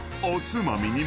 おつまみ。